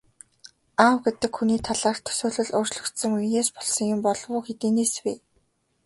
Аав гэдэг хүний талаарх төсөөлөл өөрчлөгдсөн үеэс болсон юм болов уу, хэдийнээс вэ?